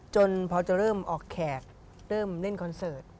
จนพอจะเริ่มออกแขกเริ่มเล่นคอนเสิร์ต